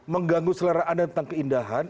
mengganggu selera anda tentang keindahan